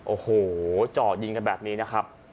โอ้โหเจาะยิงกันแบบนี้นะครับ